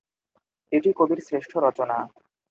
এটি কবির শ্রেষ্ঠ রচনা।